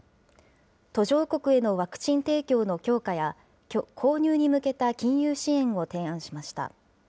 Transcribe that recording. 途上国へのワクチン提供の強化や、購入に向けた金融支援を提案しました。